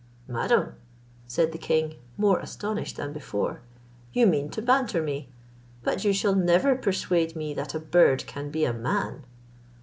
"Madam," said the king, more astonished than before, "you mean to banter me; but you shall never persuade me that a bird can be a man."